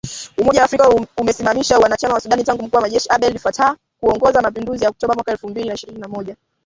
Umoja wa Afrika umesimamisha uanachama wa Sudan tangu mkuu wa jeshi Abdel Fattah kuongoza mapinduzi ya Oktoba mwaka elfu mbili na ishirini na moja